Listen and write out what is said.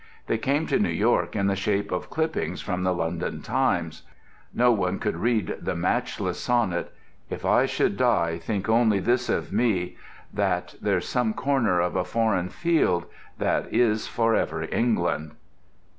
They came to New York in the shape of clippings from the London Times. No one could read the matchless sonnet: "If I should die, think only this of me: That there's some corner of a foreign field That is for ever England."